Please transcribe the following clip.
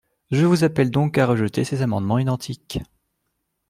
Je vous appelle donc à rejeter ces amendements identiques.